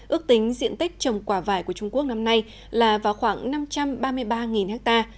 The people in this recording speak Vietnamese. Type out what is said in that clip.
ước tính diện tích trồng quả vải của trung quốc năm nay là vào khoảng năm trăm ba mươi ba ha